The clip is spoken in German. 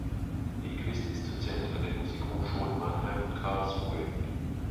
Nyquist ist Dozent an den Musikhochschulen Mannheim und Karlsruhe.